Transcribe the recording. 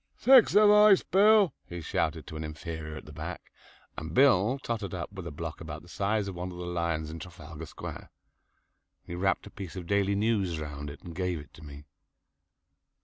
"Six of ice, Bill," he shouted to an inferior at the back, and Bill tottered up with a block about the size of one of the lions in Trafalgar Square. He wrapped a piece of "Daily News" round it and gave it to me.